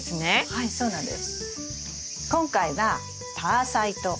はいそうなんです。